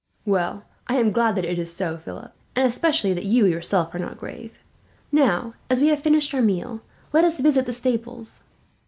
"Well, I am glad that it is so, Philip, especially that you yourself are not grave. Now, as we have finished our meal, let us visit the stables.